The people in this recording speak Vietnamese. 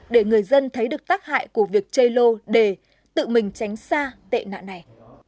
để người dân thấy được tác hại của việc chơi lô đề tự mình tránh xa tệ nạn này